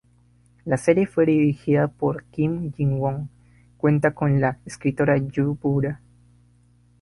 La serie fue dirigida por Kim Jin-won, cuenta con la escritora Yoo Bo-ra.